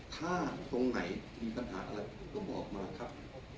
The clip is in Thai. ถ้าตรงไหนมีปัญหาอะไรก็บอกมาครับ